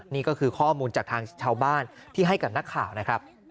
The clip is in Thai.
นี่ก็คือข้อมูลจากทางชาวบ้านที่ให้กับนักข่าวนะครับ